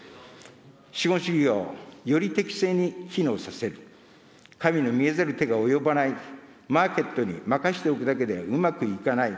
資本主義をより適正に機能させる、神の見えざる手が及ばないマーケットに任せておくだけではうまくいかない。